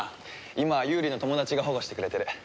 今はユーリの友達が保護してくれてる。